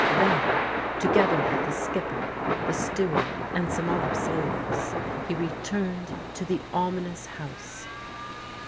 Then, together with the skipper, the steward, and some other sailors, he returned to the ominous house.